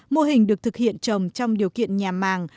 mô hình được thực hiện trồng trong điều kiện nhà màng